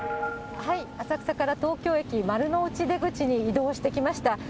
浅草から東京駅丸の内出口に移動してきました。